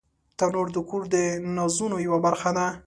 تنور د کور د نازونو یوه برخه ده